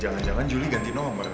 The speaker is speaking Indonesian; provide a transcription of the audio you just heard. jangan jangan juli ganti nomor